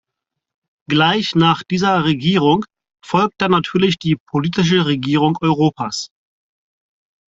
Gleich nach dieser Regierung folgt dann natürlich die politische Regierung Europas.